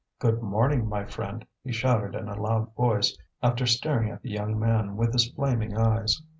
"Good morning, my friend," he shouted in a loud voice, after staring at the young man with his flaming eyes.